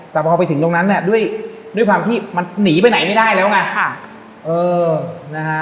แต่พอไปถึงตรงนั้นเนี่ยด้วยความที่มันหนีไปไหนไม่ได้แล้วไง